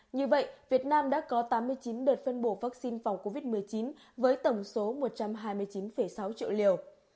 như vậy việt nam đã có tám mươi chín đợt phân bổ vaccine phòng covid một mươi chín với tổng số một trăm hai mươi chín sáu triệu liều